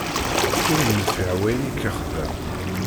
Ur yenfiε wayen i k-yexḍan